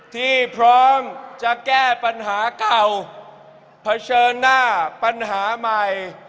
ที่พร้อมจะแก้ปัญหาเก่าเผชิญหน้าปัญหาใหม่